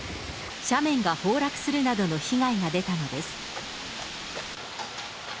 斜面が崩落するなどの被害が出たのです。